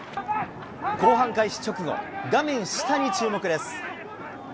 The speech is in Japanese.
後半開始直後、画面下に注目です。